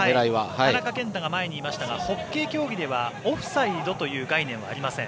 田中健太が前にいましたがホッケー競技ではオフサイドという概念はありません。